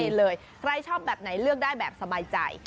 หลังจุดปรับไรให้เลือกการแบบสบายใจ